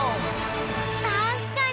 たしかに！